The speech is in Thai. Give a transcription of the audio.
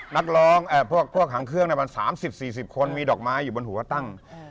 นักร้องพวกหางเครื่องมัน๓๐๔๐คนมีดอกไม้อยู่บนหัวตั้ง